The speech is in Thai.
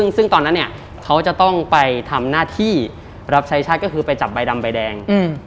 ซึ่งตอนนั้นเนี่ยเขาจะต้องไปทำหน้าที่รับใช้ชาติก็คือไปจับใบดำใบแดง